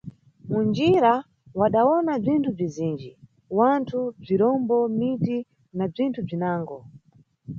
Munjira, wadawona bzinthu bzizinji: wanthu, bzirombo, miti na bzinthu bzinango.